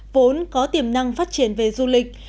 vốn có tiềm năng phát triển về du lịch